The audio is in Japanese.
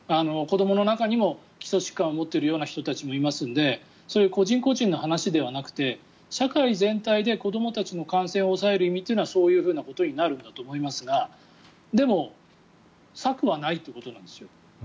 子どもの中にも基礎疾患を持っている人もいますのでそういう個人個人の話ではなくて社会全体で子どもたちの感染を抑える意味はそういうことになるんだと思いますがでも、策はないっていうことなんですよ。